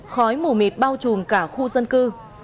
khói mù mịt bao trùm cả khu dân cư